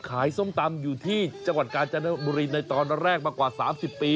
ส้มตำอยู่ที่จังหวัดกาญจนบุรีในตอนแรกมากว่า๓๐ปี